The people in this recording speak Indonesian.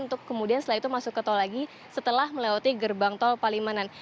untuk kemudian setelah itu masuk ke tol lagi setelah melewati gerbang tol palimanan